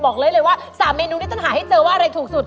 บอกเลยเลยว่า๓เมนูที่ต้องหาให้เจอว่าอะไรถูกสุด